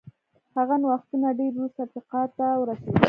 هغه نوښتونه ډېر وروسته افریقا ته ورسېدل.